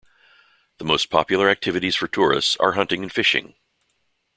The most popular activities for tourists are hunting and fishing.